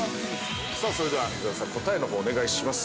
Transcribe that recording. ◆それでは伊沢さん、答えのほうをお願いします。